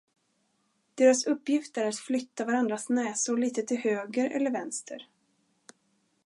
Deras uppgift är att flytta varandras näsor litet till höger eller vänster.